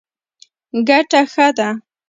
ګټه ښه ده.